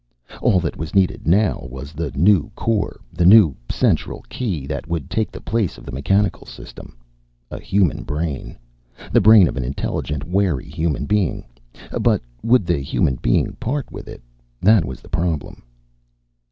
All that was needed now was the new core, the new central key that would take the place of the mechanical system. A human brain, the brain of an intelligent, wary human being. But would the human being part with it? That was the problem.